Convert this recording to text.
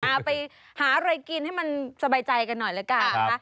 เอาไปหาอะไรกินให้มันสบายใจกันหน่อยละกันนะคะ